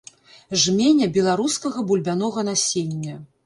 Жменя беларускага бульбянога насення!